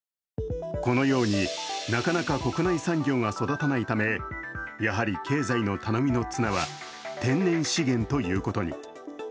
このように、なかなか国内産業が育たないため、やはり経済の頼みの綱は天然資源ということに。